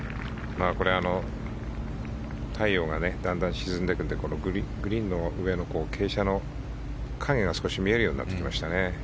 太陽がだんだん沈んでいくのでグリーンの上の傾斜の影が少し見えるようになってきましたね。